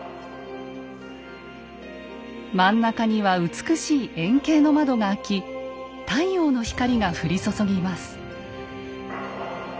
真ん中には美しい円形の窓が開き太陽の光が降り注ぎます。